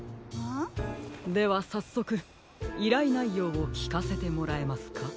ではさっそくいらいないようをきかせてもらえますか？